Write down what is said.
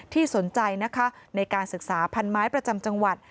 ที่สนใจในการศึกษาพันธุ์ไม้ประจำจังหวัด